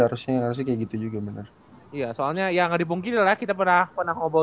harusnya harusnya gitu juga bener iya soalnya yang dipungkiri lah kita pernah pernah ngobrol